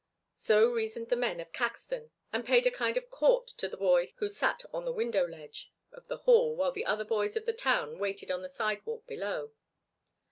So reasoned the men of Caxton and paid a kind of court to the boy who sat on the window ledge of the hall while the other boys of the town waited on the sidewalk below.